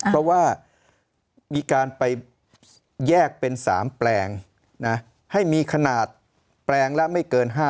เพราะว่ามีการไปแยกเป็น๓แปลงให้มีขนาดแปลงละไม่เกิน๕๐